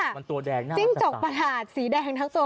จิ้งจกประหลาดสีแดงทั้งตัว